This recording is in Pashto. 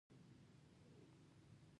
د لګښتونو نرخ لوړیږي.